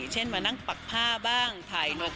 เช่นมานั่งปักผ้าบ้างถ่ายนก